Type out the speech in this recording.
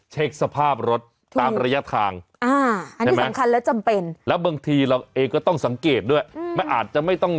เช็กสภาพรถตามระยะทางอันนี้สำคัญและจำเป็น